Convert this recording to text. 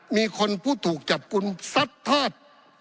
มีคนผู้ถูกจับกลุ่มซัดทอด